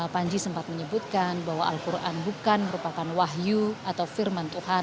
panji sempat menyebutkan bahwa al quran bukan merupakan wahyu atau firman tuhan